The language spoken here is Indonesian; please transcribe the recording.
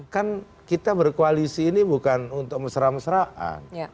kan kita berkoalisi ini bukan untuk mesra mesraan